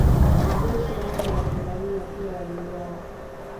Wanajeshi nane wa Tanzania pia waliuawa